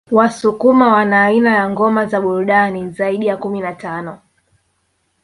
Wasukuma wana aina ya ngoma za burudani zaidi ya kumi na tano